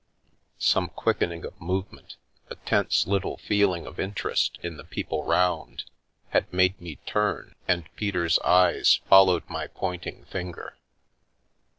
Some quickening of movement, a tense little feeling of interest, in the people round, had made me turn, and Peter's eyes followed my pointing finger.